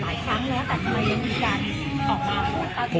แต่ทำไมยังไม่ได้ออกมาพูด